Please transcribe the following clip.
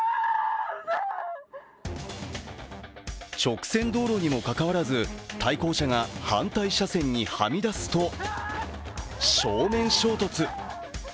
直線道路にもかかわらず、対向車が反対車線にはみ出すと正面衝突。